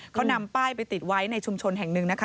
เขานำป้ายไปติดไว้ในชุมชนแห่งหนึ่งนะคะ